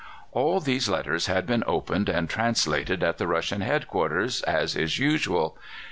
All these letters had been opened and translated at the Russian headquarters, as is usual.